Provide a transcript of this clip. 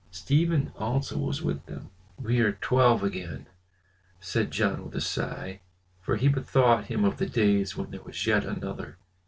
Stephen also was with them. "We are again twelve," said John with a sigh, for he bethought him of the days when there was yet another.